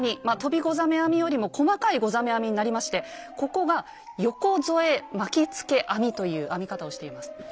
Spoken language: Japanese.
まあ飛びござ目編みよりも細かいござ目編みになりましてここが「ヨコ添え巻きつけ編み」という編み方をしています。